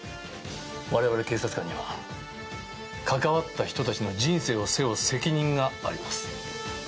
我々警察官には関わった人たちの人生を背負う責任があります。